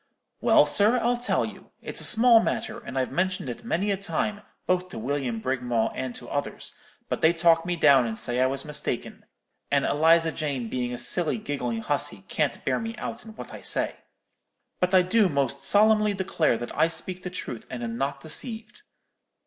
"'Well, sir, I'll tell you. It's a small matter, and I've mentioned it many a time, both to William Brigmawl and to others; but they talk me down, and say I was mistaken; and Eliza Jane being a silly giggling hussey, can't bear me out in what I say. But I do most solemnly declare that I speak the truth, and am not deceived.